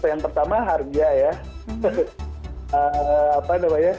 yang pertama harga ya